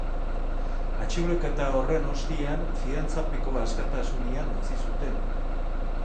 Atxiloketa horren ostean fidantzapeko asktasunean utzi zuten.